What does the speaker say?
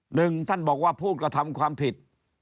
หนึ่งท่านบอกว่าผู้กระทำความผิด